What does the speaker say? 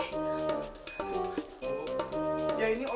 saya ob baru disini bu